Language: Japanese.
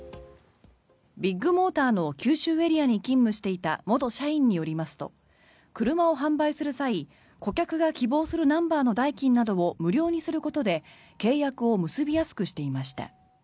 ビッグモーターの九州エリアに勤務していた元社員によりますと車を販売する際顧客が希望するナンバーの代金などを無料にすることで契約を結びやすくしていました。